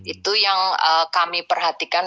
itu yang kami perhatikan